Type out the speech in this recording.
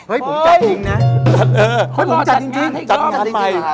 เฮ้ยผมจัดจริงนะจัดเออเดี๋ยวจัดงานให้กล้อมจัดงานให้กล้อม